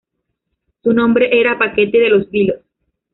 Su nombre era "Paquete de Los Vilos".